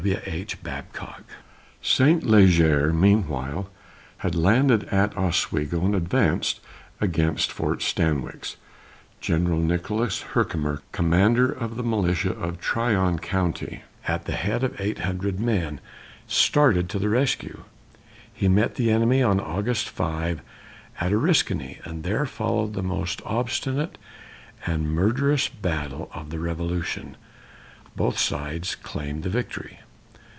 W. H. BABCOCK. Saint Leger, meanwhile, had landed at Oswego and advanced against Fort Stanwix. General Nicholas Herkimer, commander of the militia of Tryon County, at the head of eight hundred men, started to the rescue. He met the enemy, on August 5, at Oriskany, and there followed the most obstinate and murderous battle of the Revolution. Both sides claimed the victory.